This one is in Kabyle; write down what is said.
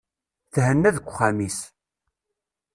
Thenna deg uxxam-is.